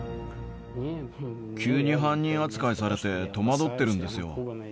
急に犯人扱いされて、戸惑ってるんですよ。